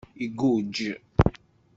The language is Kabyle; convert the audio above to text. Igujj.